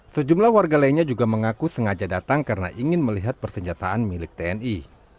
sejumlah warga lainnya juga mengaku sengaja datang karena ingin melihat persenjataan milik tni